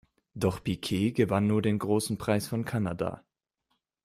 Doch Piquet gewann nur den Großen Preis von Kanada.